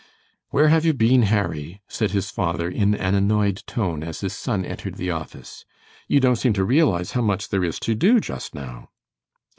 "Where have you been, Harry?" said his father in an annoyed tone as his son entered the office. "You don't seem to realize how much there is to do just now."